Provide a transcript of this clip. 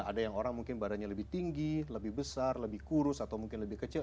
ada yang orang mungkin badannya lebih tinggi lebih besar lebih kurus atau mungkin lebih kecil